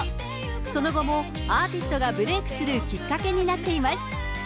その後もアーティストがブレークするきっかけになっています。